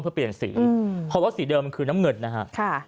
เพื่อเปลี่ยนสีเพราะว่าสีเดิมมันคือน้ำเงินนะฮะ